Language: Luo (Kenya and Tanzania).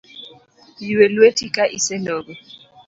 Ywe lweti ka iselogo.